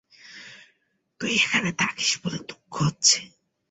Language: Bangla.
তুই এখানে থাকিস বলে দুঃখ হচ্ছে।